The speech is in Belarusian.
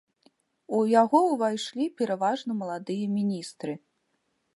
У яго ўвайшлі пераважна маладыя міністры.